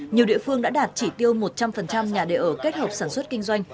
nhiều địa phương đã đạt chỉ tiêu một trăm linh nhà đề ở kết hợp sản xuất kinh doanh